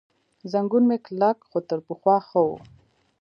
زنګون مې کلک، خو تر پخوا ښه و.